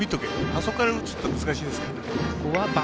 あそこから打つって難しいです。